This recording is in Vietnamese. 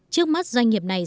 trước mắt doanh nghiệp này